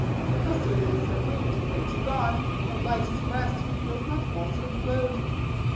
How soothing in our grief to pray to God! How light his breast who feels not falsehood's load